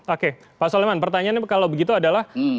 oke pak soleman pertanyaannya kalau begitu adalah